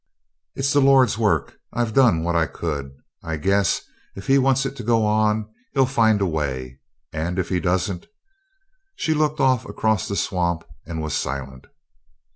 "It's the Lord's work. I've done what I could. I guess if He wants it to go on, He'll find a way. And if He doesn't " She looked off across the swamp and was silent.